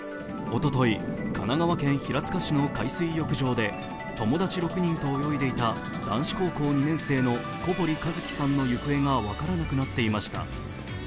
おととい、神奈川県平塚市の海水浴場で友達６人と泳いでいた男子高校２年生の小堀一騎さんの行方が分からなくなっていました。